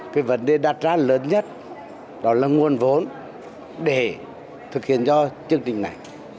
cái vấn đề đặt ra lớn nhất đó là nguồn vốn để thực hiện cho chương trình này